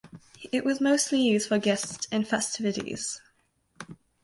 It was mostly used for guests and festivities.